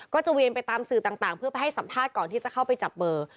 เวียนไปตามสื่อต่างเพื่อไปให้สัมภาษณ์ก่อนที่จะเข้าไปจับเบอร์